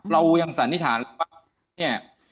เรายังสันนิษฐานว่าเนี่ย